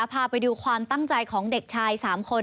พาไปดูความตั้งใจของเด็กชาย๓คน